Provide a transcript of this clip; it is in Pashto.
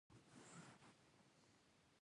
• د علیزي قوم خلک وطن دوست دي.